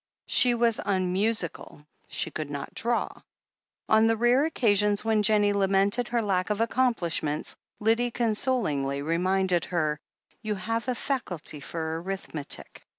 She was unmusical, she could not draw. On the rare occasions when Jennie lamented her lack of accomplish ments, Lydia consolingly reminded her : "You have a faculty for arithmetic.